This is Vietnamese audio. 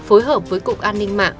phối hợp với cục an ninh mạng